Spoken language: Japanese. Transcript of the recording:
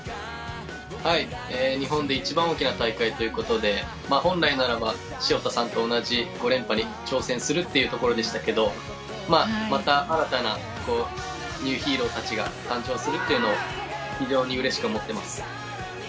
日本で一番大きな大会ということで本来なら潮田さんと同じ５連覇に挑戦するというところでしたがまた新たなニューヒーローたちが誕生するというのを非常にうれしく思っています。